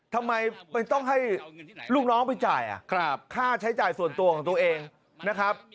ทำไมต้องให้ลูกน้องไปจ่ายค่าใช้จ่ายส่วนตัวของตัวเองนะครับ